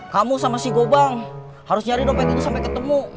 kamu sama si gobang harus nyari dompetnya sampai ketemu